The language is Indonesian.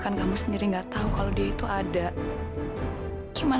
aku ke dalam dulu ya